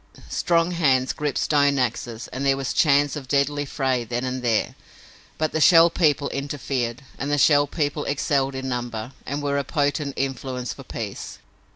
Strong hands gripped stone axes and there was chance of deadly fray then and there, but the Shell People interfered and the Shell People excelled in number, and were a potent influence for peace.